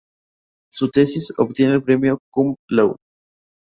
Su tesis obtiene el premio Cum laude.